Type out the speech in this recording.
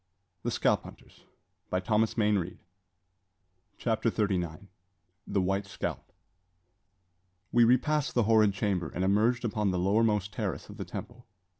Perhaps, in God's mercy, she may yet remember." CHAPTER THIRTY NINE. THE WHITE SCALP. We repassed the horrid chamber, and emerged upon the lowermost terrace of the temple.